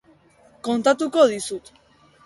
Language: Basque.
Kontatuko dizut.